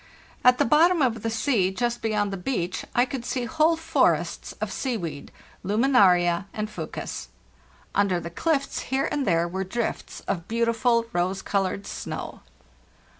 At the bottom of the sea just beyond the beach I could see whole forests of seaweed (Laminaria and Fucus). Under the cliffs * «Torup's Island." 56 FARTHEST NORTH Oo here .and there were drifts of beautiful rose colored snow."